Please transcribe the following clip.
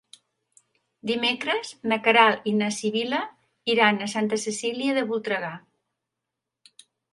Dimecres na Queralt i na Sibil·la iran a Santa Cecília de Voltregà.